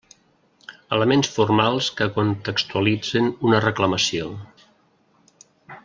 Elements formals que contextualitzen una reclamació.